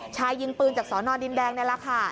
ชายยิงปืนจากสอนอดินแดงในราคา